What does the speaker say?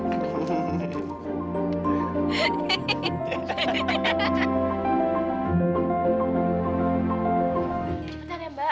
cepetan ya mbak